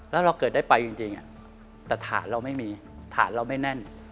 แล้วเราเกิดได้ไปจริงแต่ฐานเราไม่มีฐานเราไม่แน่น